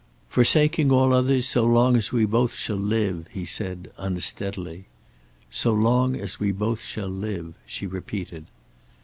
"Forsaking all others, so long as we both shall live," he said, unsteadily. "So long as we both shall live," she repeated.